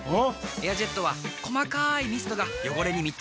エアジェットは細かいミストが汚れに密着！